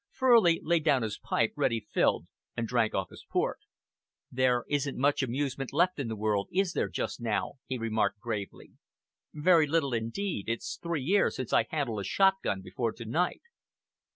Furley laid down his pipe, ready filled, and drank off his port. "There isn't much amusement left in the world, is there, just now?" he remarked gravely. "Very little indeed. It's three years since I handled a shotgun before to night."